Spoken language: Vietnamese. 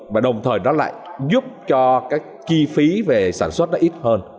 và đồng thời nó lại giúp cho các chi phí về sản xuất nó ít hơn